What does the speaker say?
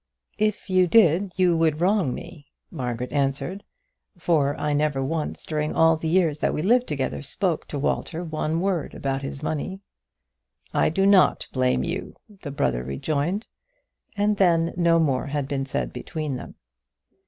"If you did you would wrong me," Margaret answered, "for I never once during all the years that we lived together spoke to Walter one word about his money." "I do not blame you," the brother rejoined; and then no more had been said between them.